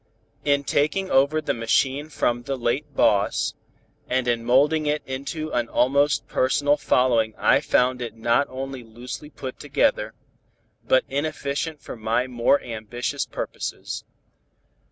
In taking over the machine from the late boss, and in molding it into an almost personal following I found it not only loosely put together, but inefficient for my more ambitious purposes.